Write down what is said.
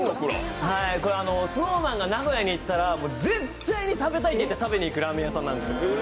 ＳｎｏｗＭａｎが名古屋に行ったら絶対に食べに行くラーメン屋さんなんです。